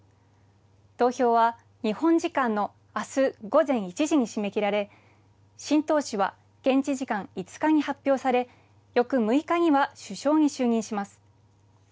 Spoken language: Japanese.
投票は日本時間の明日午前１時に締め切られ新党首は現地時間５日に発表され翌６日には、首相に就任します。